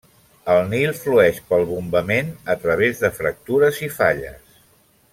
El Nil flueix pel bombament a través de fractures i falles.